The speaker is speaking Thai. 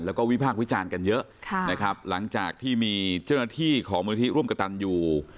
แล้วก็วิพากษ์วิจารณ์กันเยอะนะครับหลังจากที่มีเจ้าหน้าที่ของมูลที่ร่วมกระตันอยู่